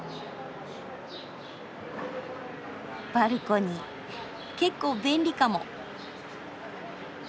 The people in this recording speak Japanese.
バルコニー結構便利かも。